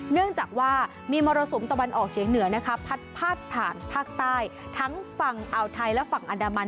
เนื่องจากว่ามีมรสุมตะวันออกเฉียงเหนือนะคะพัดพาดผ่านภาคใต้ทั้งฝั่งอ่าวไทยและฝั่งอันดามัน